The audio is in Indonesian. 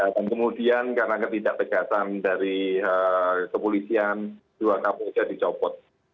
dan kemudian karena ketidakbegasan dari kepolisian dua kapolja dicopot